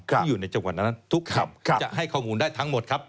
ที่อยู่ในจังหวัดนั้นทุกคำจะให้ข้อมูลได้ทั้งหมดครับ